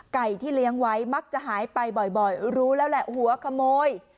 ที่เลี้ยงไว้มักจะหายไปบ่อยรู้แล้วแหละหัวขโมย